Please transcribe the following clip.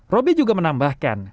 roby juga menambahkan